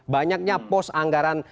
banyaknya pos anggaran